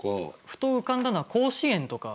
ふと浮かんだのは甲子園とか。